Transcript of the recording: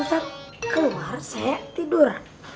ustadz keluar saya tidur